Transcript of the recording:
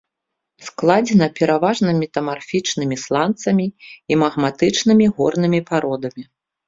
Складзена пераважна метамарфічнымі сланцамі і магматычнымі горнымі пародамі.